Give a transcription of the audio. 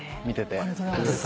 ありがとうございます。